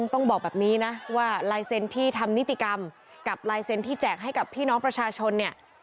ต้องบอกแบบนี้นะว่าลายเซ็นต์ที่ทำนิติกรรมกับลายเซ็นต์ที่แจกให้กับพี่น้องประชาชนเนี่ย